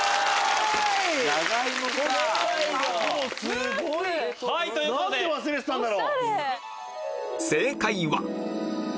すごい！何で忘れてたんだろ？